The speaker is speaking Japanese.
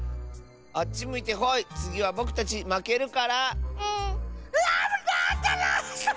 あっちむいてホイつぎはぼくたちまけるから。